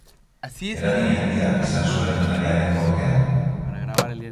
Eragin handia izan zuen erregearen gortean.